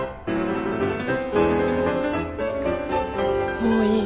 もういい。